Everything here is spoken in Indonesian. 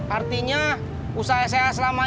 artinya usaha saya selamanya